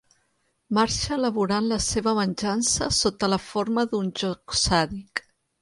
Marxa elaborant la seva venjança sota la forma d'un joc sàdic.